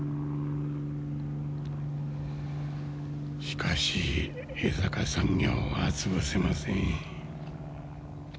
しかし江坂産業は潰せません。